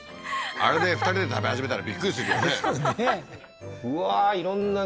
あれで２人で食べ始めたらびっくりするよねですよね